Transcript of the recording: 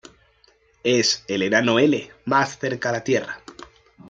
Es el enano L más cerca a la tierra.